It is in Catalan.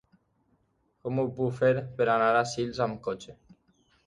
Com ho puc fer per anar a Sils amb cotxe?